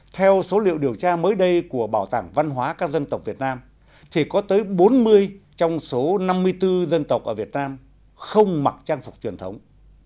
theo số liệu điều tra mới đây của bảo tàng văn hóa các dân tộc việt nam thì có tới bốn mươi trong số năm mươi bốn dân tộc ở việt nam không mặc trang phục truyền thống